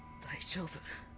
大丈夫。